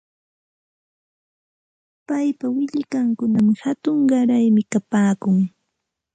Paypa willkankunam hatun qaraymi kapaakun.